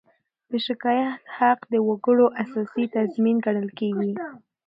د شکایت حق د وګړو اساسي تضمین ګڼل کېږي.